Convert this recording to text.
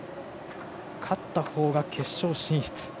勝ったほうが決勝進出。